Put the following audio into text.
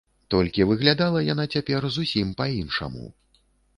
Толькі выглядала яна цяпер зусім па-іншаму.